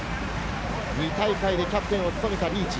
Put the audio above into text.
２大会でキャプテンを務めたリーチ。